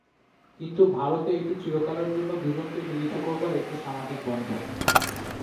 কিন্তু ভারতে এটি চিরকালের জন্য দুজনকে মিলিত করবার একটি সামাজিক বন্ধন।